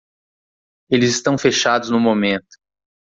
Eles estão fechados no momento.